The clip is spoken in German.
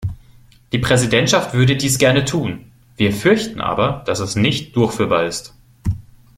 Die Präsidentschaft würde dies gern tun, wir fürchten aber, dass es nicht durchführbar ist.